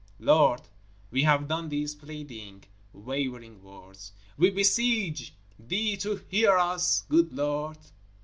_ Lord, we have done these pleading, wavering words. _We beseech Thee to hear us, good Lord!